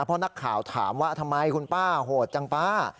เพราะนักข่าวถามว่าทำไมคุณป้าโหดจังป้า